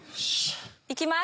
行きます。